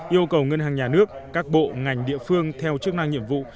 yêu cầu ngân hàng nhà nước các bộ ngành địa phương theo chức năng nhiệm vụ